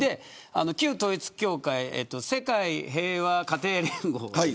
旧統一教会世界平和家庭連合。